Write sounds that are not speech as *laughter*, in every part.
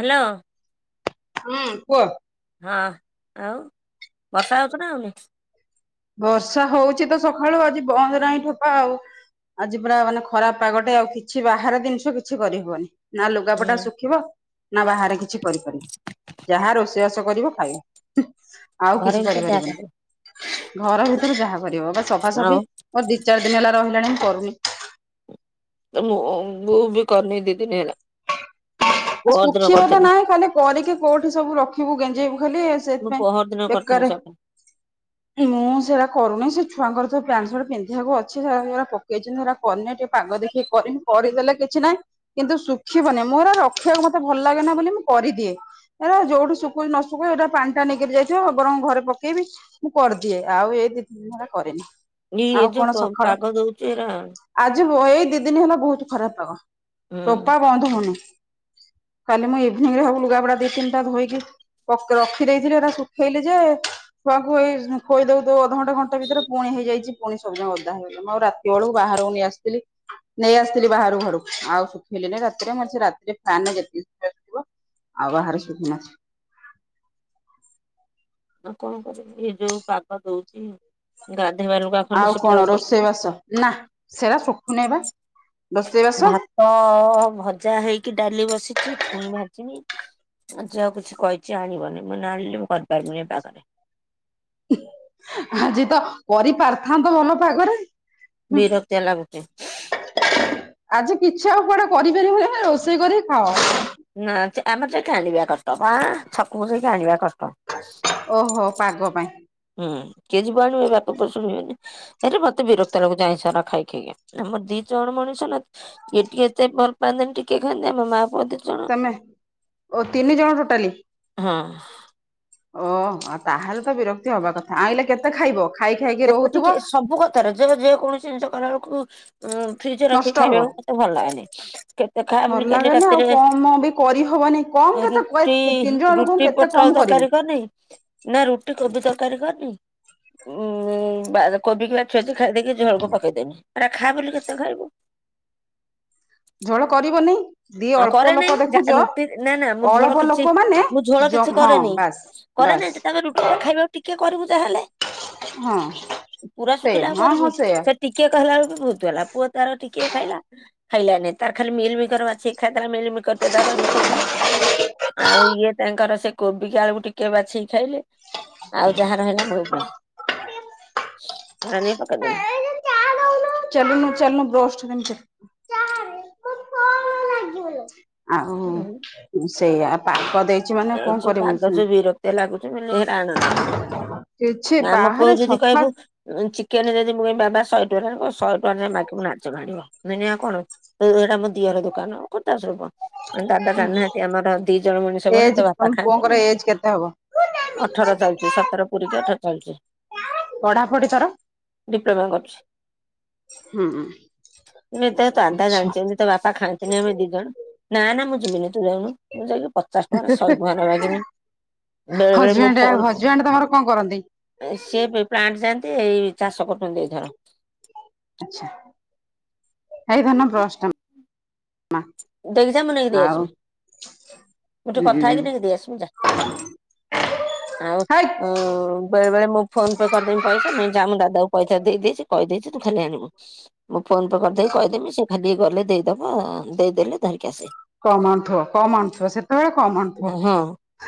Hello. ହଁ କୁହ। ହଁ ଆଉ ବର୍ଷା ହଉଛି ନା ହେଉନି। ବର୍ଷା ହଉଛି ତ ସକାଳୁ ଆଜି ବନ୍ଦ ନାହିଁ ଠୋପା ଆଉ। ଆଜି ପୁରା ମାନେ ଖରାପ ପାଗଟେ ଆଉ କିଛି ବାହାର ଜିନିଷ କିଛି କରିହବନି। ନା ଲୁଗାପଟା ହୁଁ ଶୁଖିବ ନା ବାହାରେ କିଛି କରିପାରିବେ ଯାହା ରୋଷେଇବାସ କରିବ ଖାଇବା। ଆଉ ଘରେ କିଛି ଭିତରେ ଯାହା କରିପାରିବନି। କରିବ ଘର ଭିତରୁ ଯାହା କରିବ ବା ଆଉ ସଫାସଫି ମୋର ଦି ଚାରି ଦିନ ହେଲା ରହିଲାଣି ମୁଁ କରୁନି। ଅ ମୁଁ ମୁଁ ବିି କରୁନି ଦି ଦିନି ହେଲା। ପହର ଦିନ ଶୁଖିବା ତ କରିଥିଲି ନାହିଁ ଖାଲି କରିକି କୋଉଠି ସବୁ ରଖିବୁ ଗେଞ୍ଜେଇବୁ ଖାଲି ମୁଁ ସେଥିପାଇଁ ପହର ଦିନ କରିଥିଲୁ ବେକାରେ ସବ ମୁଁ ସେଇଗୁରା କରୁନି ସେ ଛୁଆଙ୍କର ତ ପ୍ୟାଣ୍ଟ ସର୍ଟ ପିନ୍ଧିବାକୁ ଅଛି ସେ ସେରା ପକେଇଛନ୍ତି ସେରା କନେ ଟିକେ ପାଗ ଦେଖିକି କରିନି କରିଦେଲେ କିଛି ନାହିଁ କିନ୍ତୁ ଶୁଖିବନି ମୁଁ ହେରା ର ଖିଆକୁ ମତେ ଭଲ ଲାଗେ ନା ବୋଲି ମୁଁ କରିଦିଏ ଯୋଉଠୁ ଶୁଖଛି ନ *unintelligible* ଏଇଟା ପାଣି ଟା ନିଗିରି ଯାଇଥିବ ବରଂ ଘରେ ପକେଇବି ମୁଁ କରିଦିଏ ଆଉ ଏଇ ଦି ତିନ ଦିନ ହେଲା କରିନେଇ। ଇ ଏ ଯୋଉ ପାଗ ଦଉଛୁ ଏରା ଆଜି ବ ଏଇ ଦି ଦିନ ହେଲା ବହୁତ ଖରାପ ପାଗ ହୁଁ ଟୋପା ବନ୍ଦ ହଉନି। କାଲି ମୁଁ ଇଭିନିଙ୍ଗ ରେ ହବ ଲୁଗା ପଟା ଦି ତିନଟା ଧୋଇକି ରଖିଦେଇଥିଲି ଏଟା ଶୁଖେଇଲି ଯେ ଛୁଆଙ୍କୁ ଏଇ ଖୋଇ ଦଉ ଦଉ ଅଧଘଣ୍ଟେ ଘଣ୍ଟେ ଭିତରେ ପୁଣି ହେଇଯାଇଛି ପୁଣି ସବୁଯାକ ଓଦା ହେଇଗଲା। ମୁଁ ଆଉ ରାତି ବେଳକୁ ବାହାରକୁ ନେଇ ଆସିଥିଲି। ନେଇ ଆସିଥିଲି ବାହାରୁ ଘରୁକୁ ଆଉ ଶୁଖେଇିଲନି ରାତିରେ ମୁ କହିଲି ସେ ରା ସେ ଫାନ୍ ରେ ଯେତିକି ଶୁଖିବାର ଥିବ ଆଉ ବାହାରେ *unintelligible* ଆଉ କଣ କରିବି ଏ ଯୋଉ ପାଗ ଦଉଛି ଗାଧୋଇବା ଲୁଗା ଖଣ୍ଡେ ଆଉ ଶୁଖିବା କଣ କଷ୍ଟ। ରୋଷେଇ ବାସ ନା ସେରା ଶଖୁନିବା ରୋଷେଇ ବାସ। ହଁ ଭଜା ହେଇକି ଡାଲି ବସିଛି ଛୁଇଁ ଭାଜିବି। ଆଜି ଆଉ କିଛି କହିଛି ଆଣିବନି ମୁଁ କହିଲି ଆଣିଲି ମୁଁ କରିପାରିବିନି ପାଗରେ। ଆଜି ତ କରିପାରିଥାନ୍ତ ଭଲ ପାଗରେ। ହୁଁ ବିରକ୍ତିଆ ଲାଗୁଛି। ଆଜି କିଛି ଆଉ କୁଆଡେ କରିପାରି ହ ରୋଷେଇ କରି ଖାଅ। ନା ସେ ଆମେ ସେ କିାଣିବା କଟ ବା ଛକୁକୁ ସେଇ କି ଆଣିବା କଟ ଓହୋ ପାଗ ପାଇଁ। ହୁଁ କିଏ ଯିବ ଆଣିବେ ପାପ ପର୍ଷଣ ହୁଏନି ଏରେ ମତେ ବିରକ୍ତ ଲକୁ ଯାଇଛ ନା ଖାଇ ଖାଇକି ଆମର ଦି ଜଣ ମଣିଷ ନା ଟିକି ଏତେ ଭଲ ପାଆନ୍ତିନି ଟିକେ ଖେ ଆମ ମା ପୁଅ ଜଣ ତମେ ଓ ତିନି ଜଣ ଟୋଟାଲି। ହଁ ଓ ଆଉ ତାହେ ତ ବିରକ୍ତି ହବା କଥା ଆଣିଲଲେ କେତେ ଖାଇବ ଖାଇ ଖାଇକି ଯେତେ ଟିକେ ରହୁଥିବ। ସବୁ ଯେକୌଣସି ଜିନିଷ କଲା ବଳକୁ ଉଁ ଫ୍ରିଜ ରଖି ନଷ୍ଟ ହବ ଖାଇବାକୁ ମତେ ଭଲ ଲାଗେନି, କେତେ ଖା ବୋଲି ଭଲ କାଲି ଲାଗେନି ଆଉ ରାତିରେ। କମ ବି କରିହବନି କମ କେତେ ରୁଟି ତିନି ଜଣ ଲୋକଙ୍କୁ ରୁଟି କେତେ ପୋଟଳ କମ କରିବୁ ତରକାରୀ କନି। ନା ରୁଟି କୋବି ତରକାରୀ କନି। ଉଁ ବା କୋବି କିବାଛ ବାଛି ଖିଇ ଦେନି ଝୋଳକୁ ପକେଇଦେନି। ପୁ ଏ ର। ଖା ବୋଲି କେତେ ଖାଇବୁ। ଝୋ ଳ କରିବନି। ଦି ଅଳ୍ପ କରେ ନାହିଁ ଲୋକ ଯା ଦେଖୁଛ ରୁଟି ନା ନା ମୁଁ ଝୋଳ ଅଳ୍ପ କିଛି ଲୋକ ମାନେ ମୁଁ ଝୋଳ କିଛି ହଁ କରେନି ବାସ। କରେ ନାାଇ ଯେ ତମେ ରୁଟି ଟା ଖାଇବାକୁ ଟିକେ କରିବୁ ଜାହେଲେ। ହଁ ପୁରା ଶୁଖିଲା ସେଇଆ ହଁ କରିବୁ ହଁ କି। ସେଇଆ ସେ ଟିକିଏ କହିଲା ବେଳ ବି ବହୁତ ଗଲା ପୁଅ ତାର ଟିକଏ ଖାଇଲା ଖାଇଲାନି ତାର ଖାଲି ମିଲ ମିକର ବାଛି ଖାଇ ଥିଲା ମିଲମିକର ଟେ ତା ପାଇଁ। ଆଉ ଇଏ ତାଙ୍କର ସେ କୋବିକି ଆ କୁ କୁ ଟିକେ ବାଛକି ଖାଇଲେ। ଆଉ ଯାହା ରହିଲା ମୋ ପାଇଁ ସେରାନେଇକି ପକିଦେନି। *unintelligible* ଆଉସେଇଆ ପାଗ ଦେଇଛି ମାନେ ଏ କଣ ଯୋଉ କରିବୁ ପାଗ ବିରକ୍ତି ଆ ଲାଗୁଛି ମୁଁ କହିଲି ହେରା ଆଣନା। କିଛି ଆମ ପୁଅ ବାହାରେ ଯଦି ସଫା କହିବୁ ଚିକେନ ଯଦି ମୁଁ ବାବା ଶହେ ଟଙ୍କାରେ କ ଶହେ ଟଙ୍କା ଯ ମାଗି ବୁ ନାଜ ମାଡ଼ିବ। ମୁନିଆ କଣ ଏଇଟା ମ ଦିଅର ଦୋକାନ। କତା ସ୍ରୂପ ଦାଦା ହୁଁ କାନାହାନ୍ତି ଆମର ଦି ଜଣ ମଣିଷ ବୋଲି ଏଜ ତ ତମ ବାତା ଖାଆନ୍ତି ପୁଅଙ୍କର ନା। ଏଜ କେତେ ହବ? ଅଠର ଚାଲିଛି ସତର ପୁରୀି ଅଠର ଚାଲିଛି। ପଢାପଢି ତାର? ଡିପ୍ଲୋମା କରୁଛି ହୁଁ ଏ ତ ଦାଦ। ଆଚ୍ଛା। ଜାଣିଛନ୍ତି। ତ ବାପା ଖାନ୍ତିନ ଆମେ ଦି ଜଣ ନା ନା ମୁଁ ଯିମିନି ତୁ ଯାଉନୁ ମୁଁ ଯାଇକି ପଚାଶ। କ ସ ଘର ଲାଗମି ବେଳେ ବେଳେ ମୁଁ ହଜବେଣ୍ଡ ହଜବେଣ୍ଡ ତମର କଣ କରନ୍ତି? ଫୋନ ସି ପ୍ଲାଣ୍ଟ ଯାଆନ୍ତି ଏଇ ଚାଷ କରୁଛନ୍ତି ଏଇଥର। ଆଛା ଏଇ ଧନ ବ୍ରସ ଟା। ଦେଇ କି ଯା ମୁ ନେ ଇ କି ଦେଇ ଆ ଆଉ ସି ବି। ଗ ଟିକେ ହୁଁ କଥା ହେଇକି ନେଇକି ଦେଇ ଆସି ଯ ଆଉ। ହେଇ ହଁ ବେଳେବେଳେ ମୁଁ ଫୋନ୍ ପେ କରିଦେବି ପଇସା ମୁଁ ଯାଁ ଦାଦାକୁ ପଇସା ଦେଇେଇଛି କହିଦେଇଛି ତୁ ଖାଲି ଆଣିବୁ। ମୁଁ ଫୋନ ପେ କରିଦେଇକି କହିଦେମି ସେ ଖାଲି ଗଲେ ଦେଇଦବ ଦେଇଦେଲେ ଧରିକି ଆସେ। କମ ଆଣୁଥିବ କମ ଆଣୁଥିବ ସେତେବେଳେ କମ ଆଣୁଥିବ ହଁ।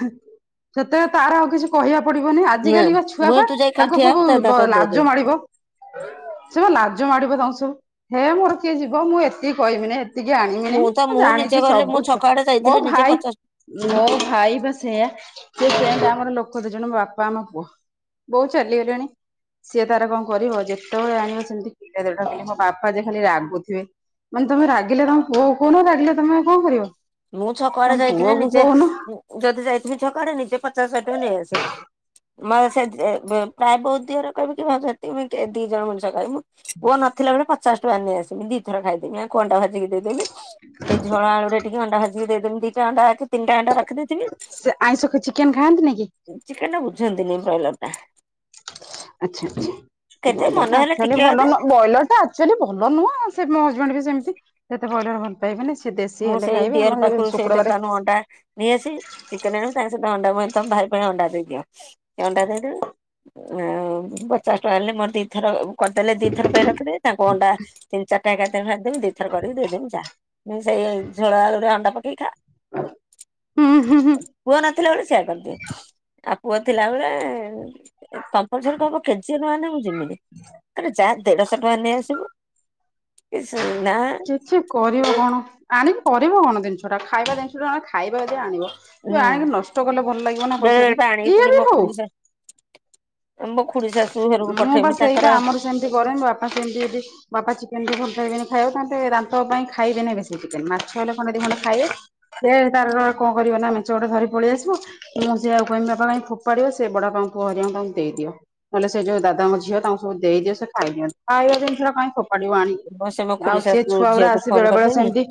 ସେତେବେଳେ ତାର ଆଉ କିଛି। କହିବା ପଡିବନି ନା ଆଜିକାଲି ବା ଛୁଆ ମୁଇଁ ପା ତୁ ଯାଇ ଖାଲି ତାଙ୍କୁ ଠିଆ ହବୁ ସବୁ ଦାଦା ତତେ ଦେଇଦେବେ। ଲାଜ ମାଡ଼ିବ। ସ ମ ଲାଜ ମାଡିବ ତାଙ୍କୁ ସବୁ ହେ ମୋର କିଏ ଯିବ ମୁଁ ଏତିକି କହିବିନି। ଟିକେ ଆଣିବିିନି ତ ମୁଁ ନିଜେ ଜାଣିଛି ଗଲେ ମୁଁ ସବୁ ଛକ ଛୁଆ ଆଡେ ମୋ ଯାଇଥିଲି ନିଜେ ଭାଇ। ପଚାଶ ମୋ ଭାଇ ବା ସେଇଆା ସେ ସେ ଆମର ଲୋକ ଦି ଜଣେ ବାପା ଆମ ପୁଅ। ବହୁତ ଚାଲିଗଲେଣି। ସିଏ ତାର କଣ କରିବ ଯେତେବେଳେ ଆଣିବ ସେମିତି କିଲେ ଦେଢ଼ କିଲେ ମୋ ବାପା ଯେ ଖାଲି ରାଗୁଥିବେ। ମାନେ ତମେ ରାଗିଲେ ତମ ପୁଅ କୁ କହୁନ ରାଗିଲେ ତମେ କଣ କରିବ? ମୁଁ ଛକ ତମ ଆଡ଼େ ଯାଇଥିନେ ପୁଅକୁ ନିଜେ କହୁନ। ଯଦି ଯାଇଥିମି ଛକ ଆଡେ ନିଜେ ପଚାଶ ଶହେ ଟଙ୍କା ନେଇ ଆସେ। *unintelligible* ମାନେ ସେତିକି ବି ଦି ଜଣ ମଣିଷ ଖାଇବୁ। ପୁଅ ନଥିଲା ବେଳେ ପଚାଶ ଟଙ୍କାରେ ନେଇଆସିବି ଦି ଥର ଖାଇଦେମି ଆଙ୍କୁ ଅଣ୍ଡା ଭାଜିକି ଦେଇଦେମି। ସେ ଝଳ ଆଳୁରେ ଟିକେ ଅଣ୍ଡା ଭାଜିକି ଦେଇଦେମି ଦିଟା ଅଣ୍ଡାକି ତିନିଟା ଅଣ୍ଡା ରଖିଦେଇଥିବି ସେ ଆଇଁଷ ଖ ଚିକେନ ଖାଆନ୍ତିନି କି ଚିକେନ୍ ଟା ବୁଝନ୍ତିନି ବ୍ରଏଲର ଟା। ଆଛା କେତେ ଆଛା ମନ ବ୍ରଏଲର ଟା ହେଲେ ଆକ୍ଚୁଲି ଟିକେ ଭଲ ଅଧେ ନୁହଁ ବ୍ରଏଲରଟା ଆକ୍ଚୁଲି ଭଲ ନୁହଁ ସେ ମୋ ହଜବେଣ୍ଡ ବି ସେମିତି ସେ ଏତେ ବ୍ରଏଲର୍ ଭଲ ପାଇବେନି ସିଏ ଦେଶୀ ହେଲେ ଖାଇବେ ଆମର ଶୁକ୍ରବାରେ *unintelligible* ନେଇଆସେ ଚିକେନ୍ ଆଣିବୁ ତା ସହିତ ଅଣ୍ଡା ତମ ଭାଇ ପାଇଁ ଅଣ୍ଡା ଦେଇଦିଅ ସିଏ ଅଣ୍ଡା ଦେଇଦେବେ। ଆଇ ପଚାଶ ଟଙ୍କା ହେଲେ ମୋର ଦିଥର କରିଦେଲେ ଦିଥର ପାଇଁ ରଖିଦେବି ତାଙ୍କୁ ଅଣ୍ଡା ତିନ ଚାରିଟା ଏକାଥରେ ଭାଜିଦେମି ଦି ଥର କରିକି ଦେଇଦେମି ଯାଆ। ମୁଁ ସେଇ ଝୋଳ ଆଳୁରେ ଅଣ୍ଡା ପକେଇକି ଖା। ହୁଁ ହୁଁ ହୁଁ। ପୁଅ ନଥିଲାବେଳେ ସେୟା କରିଦିଏ ଆଉ ପୁଅ ଥିଲାବେଳେ ଏଁ କମ୍ପଲସରି କହିବ କେଜିଏ ନ ଆଣିନେ ମୁ ଜୀମିନି। ଆରେ ଯା ଦେଢଶହ ଟଙ୍କାରେ ନେଇ ଆସିବୁ ଏ ସେ ନା କିଛି କରିବ କଣ ଆଣି କରିବ କଣ ଜିନିଷ ଟା ଖାଇବା ଜିନିଷ ଟେ ଖାଇବା ଯେ ଆଣିବ। ହୁଁ ଆଣିକି ନଷ୍ଟ କଲେ ଭଲ ଲାଗିବ ନା ବେଳେ ପଇସା ବେଳେ ଦେଇକି ପା ଆଣିକି ଯିଏ ପୁଣି ବି ମୋ ହଉ। ଖୁଡି ଶାଶୁ ମୋ ଖୁଡି ଶାଶୁ ଘରକୁ ମୁଁ ବା ପଠେଇମି ତାଙ୍କର ସେଇଆ ଆମର ସେମିତି କରେନି ବାପ ବାପା ସେମିତି ଯଦି ବାପା ଚିକେନ୍ ଟିକେ ଭଲପାଇବେନି ଖାଇବା ସେ ଦାନ୍ତ ପାଇଁ ଖାଇବେନି ବେଶୀ ଚିକେନ୍ ମାଛ ହେଲେ ଖଣ୍ଡେ ଦି ଖଣ୍ଡେ ଖାଇବେ। ସେ ତାର କଣ କରିବ ନା ମେଞ୍ଚେ ଗୁଡେ ଧରି ପଳେଇ ଆସିବ। ମୁଁ ସେୟାକୁ କହିମି ବାପା କାଇଁ ଫୋପାଡିବ ସେ ବଡାପାଙ୍କ ପୁଅ ହରିକାଙ୍କୁ ତାଙ୍କୁ ଦେଇଦିଅ। ନହେଲେ ସେ ଯୋଉ ଦାଦାଙ୍କ ଝିଅ ତାଙ୍କୁ ସବୁ ଦେଇଦିଅ ସେ ଖାଇ ଦିଅନ୍ତୁ ଖାଇବା ଜିନିଷଟା କାଇଁ ଫୋପାଡିବ ଆଣିକି। ମୋ ସେ ମୋ ଆଉ ସେ ଖୁଡିଶାଶୁ ଛୁଆଗୁରା ଆସୀ ବେଳେବେଳେ ସେମିତି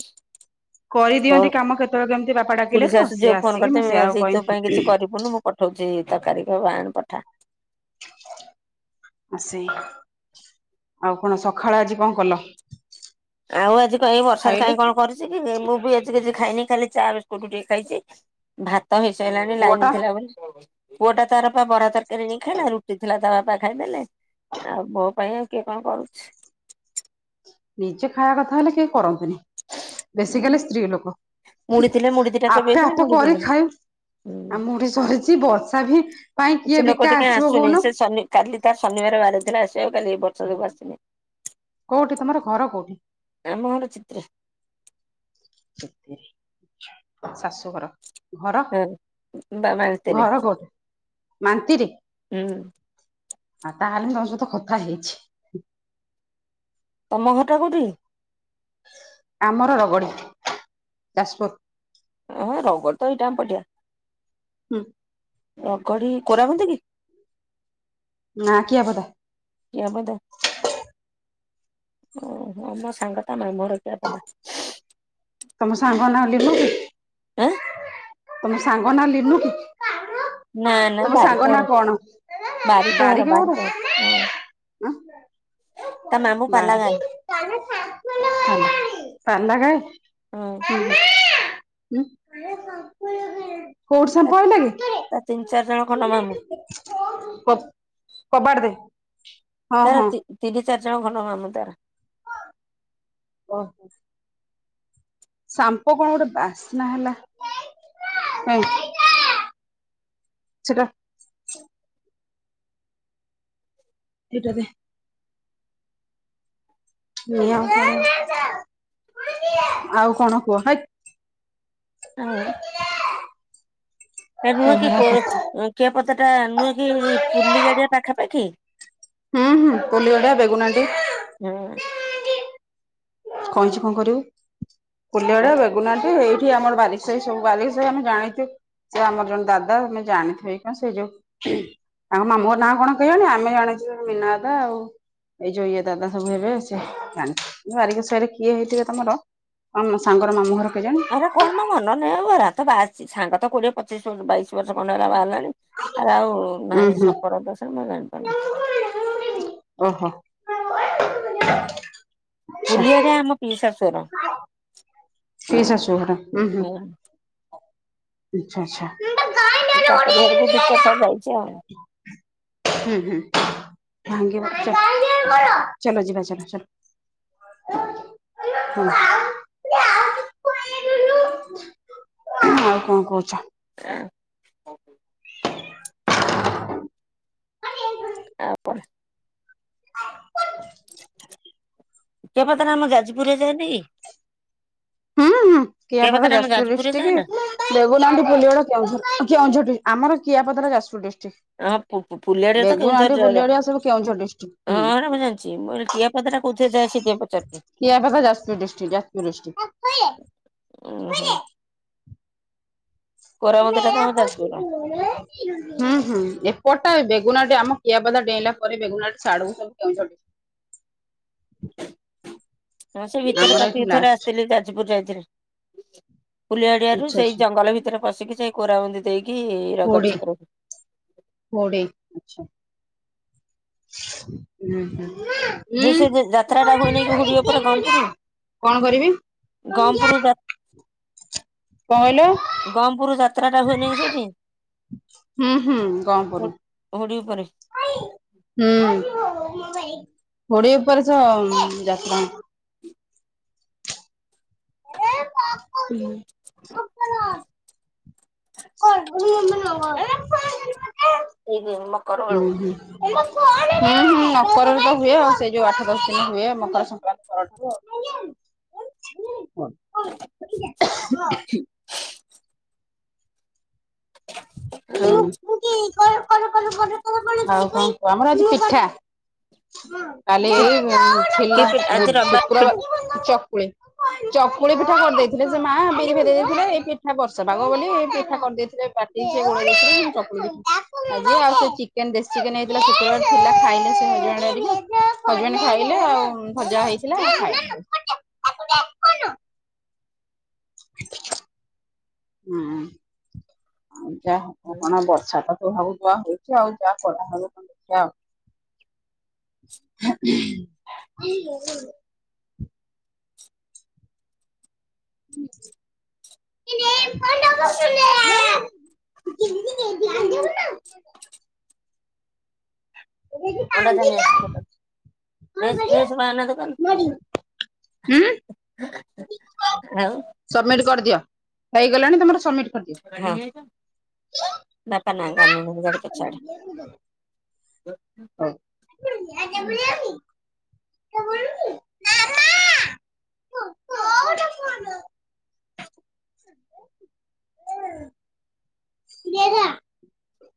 ଫୋନ କରିଦିଅନ୍ତି କାମ କେତେବେଳେ କେମିତି ବାପା ଖୁଡି ଡାକିଲେ ତ ସିଏ ଆସିକି ମୁଁ ସେଆକୁ କହିବି ହୂ ବୁନୁ ମୁଁ ପଠଉଛିି ତରକାରୀ ବାଆଣ ପଠା। ଆସେ ଆଉ କଣ ସକାଳେ ଆଜି କଣ କଲ? ଆଉ ଆଜି ଙ୍କ ଏଇ ବର୍ଷାରେ ଖାଇଲେ କାଇଁ କଣ କର ଛି କି ମୁଁ ବି ଏଜି କିଛି ଖାଇନି ଖାଲି ଚା ବିସ୍କୁଟ ଟିକେ ଖାଇଛି ଭାତ ତ ହେଇସାଇଲାଣି ଲାଇନ୍ ପୁଅଟା ଥିଲା ବୋଲି ପୁଅଟା ତାର ପା ବରାଦ୍ ତରକାରୀ ଆଣି ଖାଇଲା ରୁଟି ଥିଲା ତା ବାପା ଖାଇଦେଲେ ଆଉ ମୋ ପାଇଁ ଆଉ କିଏ କଣ କରୁଛି? ନିଜେ ଖାଇବା କଥା ହେଲେ କେହି କରନ୍ତୀନି। ବେସିକାଲି ସ୍ତ୍ରୀ ଲୋକ ହୁ ମୁଢି ଥିଲେ ମୁଢି ଦିଟା ଆପେ ଚୋବେଇଥିଲି ଆପେ ମୁଢି ବି କରି ନାହିଁ। ଖାଇବୁ। ଆ ହୁଁ ମୁଁ ଉଠି ସରିଛି ବର୍ଷା ବି ପାଇଁ କିଏ ସେ ଲୋକ ବିକା ଟିକେ ଆସିବ ଆସୁନି କହୁନ? ସେ ଶନି କାଲି ତା ଶନିବାର ବାହାରିଥିଲା ଆସିବାକୁ ଆଉ କାଲି ଏ ବର୍ଷା ଯୋଗୁଁ ଆସିନି। କୋଉଠି ତମର ଘର କୋଉଠି ଆମ ଘରେ ଚିତ୍ରେ ସେଠି ଶାଶୁଘର। ଘର ହଁ ବା ମାଣିତିରେ ଘର କୋ ମାନ୍ତିରି ହୁଁ ଆଉ ତାହେଲେ ତମ ସହିତ କଥା ହେଇଛି। ତମ ଘରଟା କଉଠି? ଆମର ରଗଡି ଯାଜପୁର। ଏଁ ରଗଡି ତ ଏଇଟା ଆମ ପଟିଆ ହୁଁ ରଗଡି କୋରା କୁହୁନ୍ତି କି? ନା କିଆପଦା। କିଆପଦା ଓହ ମୋ ସାଙ୍ଗତା ମାମୁହର କିଆପଦା। ତମ ସାଙ୍ଗ ନା ଲିନୁ ମୁକି? ଆଁ? ତମ ସାଙ୍ଗ ନା ଲିନୁ କି? ନା ନା ତମ ସାଙ୍ଗ ନା ବାରିକଘର କଣ ବାରିକଘର ବାରିକି ଘର? ବାରିକଘର ହଁ ଆଁ। ତା ମାମୁଁ ପାଲା ଗାଏ ବାରିକି। ତାଲା ତାଲା ହଁ କାଇ ଉମ ଉମ। କୋଉଠି ତା ସାମ୍ପୁ ଆଣିଲା କି? ତା ତିନି ଚାରି ଜଣ ଖଣ୍ଡ ମାମୁ। କ କବାଡ ଦେ। ହଁ ତାର ହଁ ତି-ତିନି ଚାରି ଜଣ ଖଣ୍ଡ ମାମୁଁ ତାର। ଓହୋ। ସାମ୍ପୁ କଣ ଗୋଟେ ବାସ୍ନା ହେଲା କାଇଁ? ସେଟା ହେଟା ଦେ। ନିଅ ଆଉ କଣ ଆଉ କଣ କୁହ? ହେଇ ଆଉ। ଏ ନୁହେଁ କି ଏଭଳିଆ କୋ କଥା। କିଆପତ ଟା ନୁହେଁ କି ପୁଲି ଗାଡିଆ ପାଖାପାଖି? ହୁଁ ହୁଁ ପୋଲିଗଡା ବେଗୁନାଡି। ହୁଁ। କଇଛି କଣ କରିବୁ? କୁଲିଗଡ଼ା, ବେଗୁନାଡି ଏଇ ଏଠି ଆମର ବାଲିସାହି, ସବୁ ବାଲିସାହି ଆମେ ଜାଣିଛୁ। ସେ ଆମର ଜଣେ ଦାଦା ତମେ ଜାଣିଥିବ କି କଣ ସେଇ ଯୋଉ ତାଙ୍କ ମାମୁ ଘର ନାଁ କଣ କେଜାଣି? ଆମେ ଜାଣିଛୁ ମୀନା ଦାଦା ଆଉ ଏଇ ଯଉ ଇଏ ଦାଦା ସବୁ ହେବେ, ସେ ଜାଣିଛି ବାରିକସ ହେରେ କିଏ ହେଇଥିବେ ତମର? ତମ ସାଙ୍ଗର ମାମୁଁ ଘର କେଜାଣି? କଣ ମୋ ମନ ନାଇ ବରାତ ବାହାରିଚି, ସାଙ୍ଗ ତ କୋଡିଏ ପଚିଶ ବ ବାଇଶ ବର୍ଷ ଖଣ୍ଡେ ହେଲା ବାହାହେଲାଣି। ଆରେ ଆଉ ଉୁଁ ହୁଁ, ମୁଁ ଜାଣିପାରୁନି ଓହୋ। ଆଛା କୁଲିଆଡେ ଆମ ପିଇସି ଶାଶୁଘର। ପିଇ ଶାଶୁହର ଉହୁଁ ଆଚ୍ଛା, ଆଚ୍ଛା। ତାଙ୍କରି ଘରକୁ ଦି ଚାରଥର ଯାଇଛି ଆଉ। ହୁଁ ହୁଁ ଭାଙ୍ଗିବ ଚାଲ ଯିବା ଚାଲ ଚାଲ। ହୁଁ। ଆଉ କଣ କହୁଛ? *unintelligible* ଆଉ କଣ *inaudible* କିଆପଦାର ଆମ ଯାଜପୁରରେ ଯାଏନି! ହୁଁ, ହୁଁ, କିଆପାଖ କେଆପାତାରେ ଆମ ଯାଜପୁର ଯାଜପୁରରେ ଡିଷ୍ଟ୍ରିକି। ଯାଏନା ଦେଖୁ ନାହାନ୍ତି ପୁଲିଗଡ କେଉଝର, କେଉଁଝଟି ଆମର କିଆପଦାର ଯାଜପୁର ଡିଷ୍ଟ୍ରିକ୍। ହଁ, ପୁ-ପୁଲିଆଡରେ ତ କେଉଁଝର ଝର ସବୁ କେଉଁଝର ଡିଷ୍ଟ୍ରିକ୍ଟ ହୁଁ। ହଁ ହେରା ମୁଁ ଜାଣିଛି। ମୁଁ ଇରା କିଏ କଦଟା କୋଥିରେ ଯାଏ ସେ କିଏ ପଚାରୁଚି। *inaudible* କେଆପାଖ ଯାଜପୁର ଡିଷ୍ଟ୍ରିକ୍ଟ ଯାଜପୁର ଡିଷ୍ଟ୍ରିକ୍ଟ। *unintelligible* କୋରା ମନ୍ଦିରଟା ତ ଆମର ଯାଜପୁରର। ହୁଁ ହୁଁ ଏପଟା ବେଗୁନାଟି ଆମ କିଆପଦା ଡେଇଁଲା ପରେ ବେଗୁନାଟି ସାଡ଼ୁକୁ ସବୁ କେଉଁଝର ହଁ ସେ ଡିଷ୍ଟ୍ରିକ୍ଟ। ଭିତରେ ଆମର ଏଠି ପତିକି ଥରେ ଲାଷ୍ଟ ଆସିଥିଲି ଯାଜପୁର ଯାଇଥିଲି। ଫୁଲିଆଡିଆରୁ ଆଚ୍ଛା ସେଇ ଆଚ୍ଛା ଜଙ୍ଗଲ ଭିତରେ ପଶିକି ସେଇ କୋରା ବୁନ୍ଦି ଦେଇକି ରଗଡ ଛକରକୁ *unintelligible* ହୁଁ ହୁଁ। ଜୋ ସେ ଯେ ଯାତ୍ରା ଟା ହୁଏ ନେଇକି ହୁଡି ଉପରେ ଉଁ ଗମପୁର। କଣ କରିବି? ଗଅପୁର ଯ କଣ କହିଲ? ଗମପୁରରୁ ଯାତ୍ରା ଟା ହୁଏନିଁ ସେଇଠି? ହୁଁ ହୁଁ ଗପୁରୁ। ହୁଡି ଉପରେ ହୁଁ ହୁଡି ଉପରେ ଛ ଯାତ୍ରା *unintelligible* *unintelligible* ହୁଁ ହୁଁ। ହୁଁ ହୁଁ ଏଇ ଅକରବ ମକର ତ ବେଳକୁ। ହୁଏ ଆଉ ସେଇ ଯୋଉ ଆଠ ଦଶ ଦିନ ହୁଏ ମକର ସଂକ୍ରାନ୍ତି ପରଠୁ ଆଉ। *inaudible* *unintelligible* *unintelligible* ଆଉ *unintelligible* ଆଉ କଣ ଆମର ଆଜି ପିଠା। *unintelligible* କାଲି କି କି ଥିଲା ପି ଆଜି ଶୁକ୍ରାବାର ରବିବାର ଚକୁଳି। ଚକୁଳି ପିଠା କରିଦେଇଥିଲେ ସେ ମା ବିରି ଭେଦେଇ ଦେଇଥିଲେ ଏଇ ପିଠା ବର୍ଷା ପାାଗ ବୋଲି ପିଠା କରିଦେଇଥିଲେ ବା *unintelligible* ଆଉ ଚିକେନ ଦେଶୀ ଚିକେନ ହେଇଥିଲା ସେତେବେଳେ ଥିଲା ଖାଇଲେ ସେ ସ ସେମାନେ ହଜବେଣ୍ଡ ଖାଇଲେ ଆଉ ଭଜା ହେଇଥିଲା ଖାଇଲେ। *inaudible* *unintelligible* ହୁଁ ଯାହା କଣ ବର୍ଷା ତ *unintelligible* *inaudible* *inaudible* *unintelligible* ଅଣ୍ଡାଯା ନେଇ ଆସିବୁ ଦୋକାନରୁ ନିସିନିସି ମାୟା ନା ଦୋକାନରୁ। *unintelligible* ଆଉ। ସମିଟି କରିଦିଅ ହେଇଗଲାଣି ତମର ସମିଟି। ହଁ ବାପା ନା ଗାଡି ନେଇନାହାନ୍ତି ଗାଡ଼ିପଛଆଡେ। *inaudible* *unintelligible*